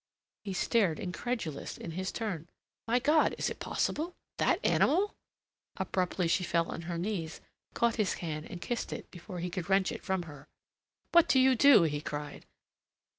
He stared, incredulous in his turn. "My God! Is it possible? That animal!" Abruptly she fell on her knees, caught his hand and kissed it before he could wrench it from her. "What do you do?" he cried.